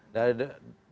dengan maksudnya apa ya